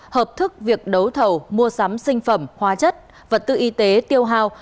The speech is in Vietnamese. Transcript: hợp thức việc đấu thầu mua sắm sinh phẩm hóa chất vật tư y tế tiêu hào